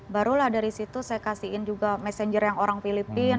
barulah dari situ saya kasihin juga messenger yang orang filipina